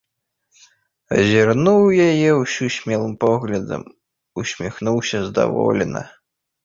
Азірнуў яе ўсю смелым поглядам, усміхнуўся здаволена.